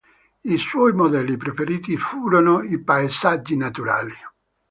I suoi modelli preferiti furono i paesaggi naturali.